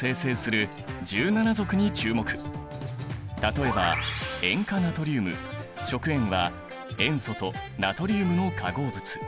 例えば塩化ナトリウム食塩は塩素とナトリウムの化合物。